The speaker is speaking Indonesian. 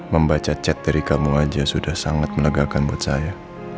membaca chat dari kamu aja sudah sangat menegakkan buat saya